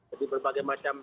jadi berbagai macam